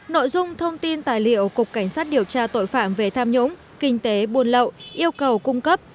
nội dung thông tin tài liệu cục cảnh sát điều tra tội phạm về tham nhũng kinh tế buôn lậu yêu cầu cung cấp